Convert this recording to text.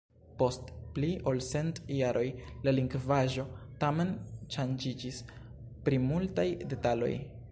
Post pli ol cent jaroj la lingvaĵo tamen ŝanĝiĝis pri multaj detaloj.